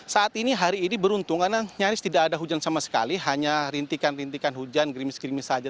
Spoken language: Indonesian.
saat ini hari ini beruntung karena nyaris tidak ada hujan sama sekali hanya rintikan rintikan hujan grimis grimis saja